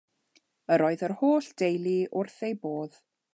Yr oedd yr holl deulu wrth eu bodd.